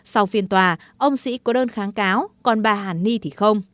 sau phiên tòa ông sĩ có đơn kháng cáo còn bà hàn ni thì không